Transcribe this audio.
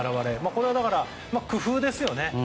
これは、だから工夫ですよね。